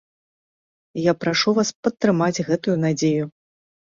І я прашу вас падтрымаць гэтую надзею.